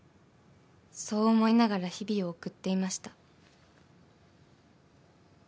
［そう思いながら日々を送っていました］